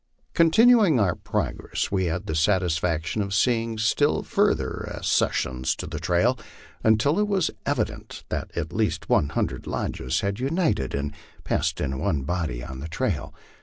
Continuing our progress, we had the satisfaction of seeing still further ac cessions to the trail, until it was evident that at least one hundred lodges had united and passed in one body on the trail.